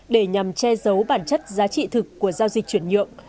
để nhằm che giấu bản chất giá trị thực của giao dịch chuyển nhượng